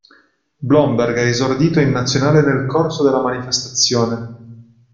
Blomberg ha esordito in Nazionale nel corso della manifestazione.